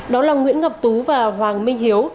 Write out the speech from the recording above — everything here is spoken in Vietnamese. đó là nguyễn ngọc tú và hoàng minh hiếu